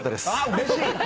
うれしい！